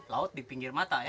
laut di pinggir mata ya